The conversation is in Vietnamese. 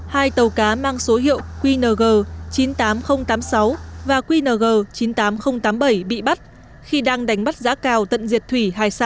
hai tàu cá mang số hiệu qng chín mươi tám nghìn tám mươi sáu và qng chín mươi tám nghìn tám mươi bảy bị bắt khi đang đánh bắt giã cào tận diệt thủy hải sản